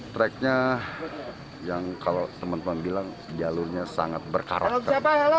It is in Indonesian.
tracknya yang kalau teman teman bilang jalurnya sangat berkarakter